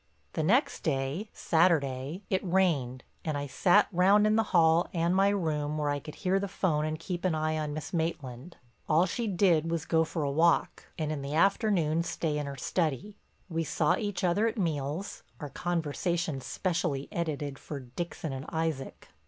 The next day—Saturday—it rained and I sat round in the hall and my room where I could hear the 'phone and keep an eye on Miss Maitland. All she did was to go for a walk, and in the afternoon stay in her study. We saw each other at meals, our conversation specially edited for Dixon and Isaac.